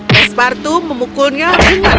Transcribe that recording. pesparto memukulnya dengan